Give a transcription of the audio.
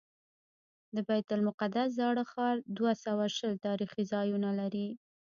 د بیت المقدس زاړه ښار دوه سوه شل تاریخي ځایونه لري.